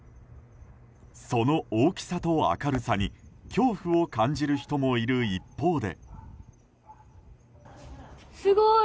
その大きさと明るさに恐怖を感じる人もいる一方で。